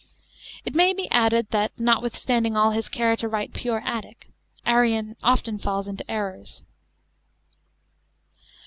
It may be added, that notwithstanding all his care to write pure Attic, Arrian often falls into errors.